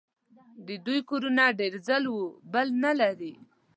د دوی کورونه ډېر ځل و بل نه لري.